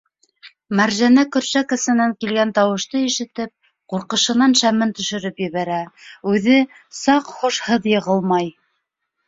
Мәржәнә, көршәк эсенән килгән тауышты ишетеп, ҡурҡышынан шәмен төшөрөп ебәрә, үҙе саҡ һушһыҙ йығылмай.